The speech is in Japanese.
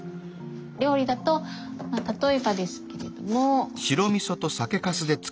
料理だと例えばですけれどもよいしょ。